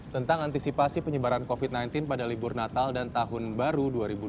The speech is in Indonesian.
tentang antisipasi penyebaran covid sembilan belas pada libur natal dan tahun baru dua ribu dua puluh